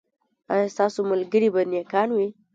ایا ستاسو ملګري به نیکان وي؟